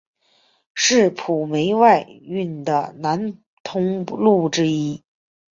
是晋煤外运的南通路之一。